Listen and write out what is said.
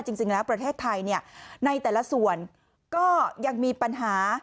จริงแล้วประเทศไทยในแต่ละส่วนก็ยังมีปัญหา